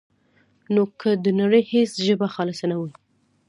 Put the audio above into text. نو که د نړۍ هېڅ ژبه خالصه نه وي،